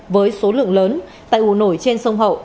với số lượng lớn tại ủ nổi trên sông hậu